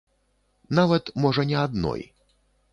Нават, можа, не адной.